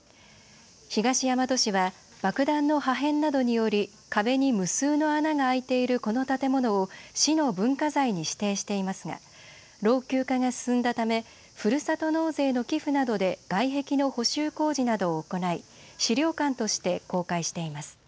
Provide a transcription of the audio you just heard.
東大和市は爆弾の破片などにより壁に無数の穴が開いているこの建物を市の文化財に指定していますが、老朽化が進んだためふるさと納税の寄付などで外壁の補修工事などを行い資料館として公開しています。